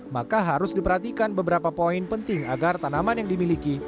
maka harus diperhatikan beberapa poin penting agar tanaman yang dimiliki